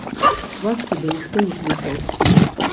Вас сюды ніхто не клікаў.